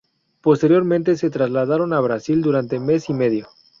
Posteriormente, se trasladaron a Brasil durante mes y medio.